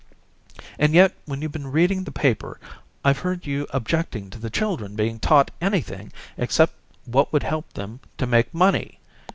And yet when you've been reading the paper I've heard you objecting to the children being taught anything except what would help them to make money.